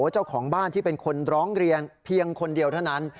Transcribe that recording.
เจ้าของบ้านที่เป็นคนร้องเรียนเพียงคนเดียวเท่านั้น